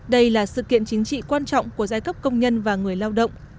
đây là sự kiện chính trị quan trọng của giai cấp công nhân và người lao động